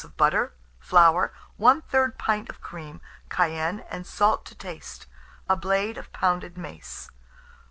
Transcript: of butter, flour, 1/3 pint of cream; cayenne and salt to taste; 1 blade of pounded mace.